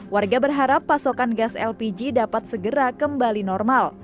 warga berharap pasokan gas lpg dapat segera kembali normal